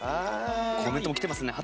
コメントも来てますね